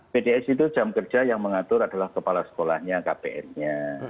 pds itu jam kerja yang mengatur adalah kepala sekolahnya kpr nya